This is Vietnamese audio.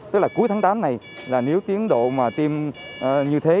tức là cuối tháng tám này là nếu tiến độ mà tiêm như thế